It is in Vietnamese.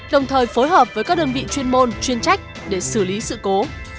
đồng thời phối hợp với các đơn vị chuyên môn chuyên trách để xử lý sự cố